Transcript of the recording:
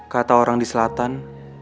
kata orang di selatan